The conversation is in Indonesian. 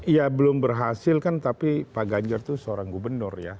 ya belum berhasil kan tapi pak ganjar itu seorang gubernur ya